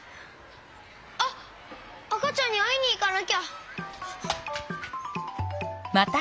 あっあかちゃんにあいにいかなきゃ。